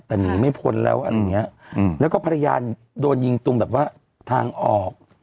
แต่หนีไม่พ้นแล้วอันเนี้ยอืมแล้วก็ภรรยาโดนยิงตรงแบบว่าทางออก